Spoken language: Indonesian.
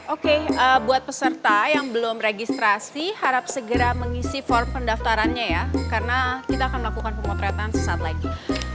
oke buat peserta yang belum registrasi harap segera mengisi form pendaftarannya ya karena kita akan melakukan pemotretan sesaat lagi